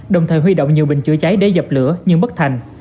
đồng thời huy động nhiều bình chữa cháy để dập lửa nhưng bất thành